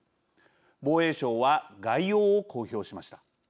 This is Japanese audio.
防衛省は概要を公表しました。